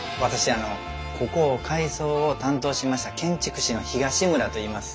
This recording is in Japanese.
あのここを改装を担当しました建築士の東村といいます。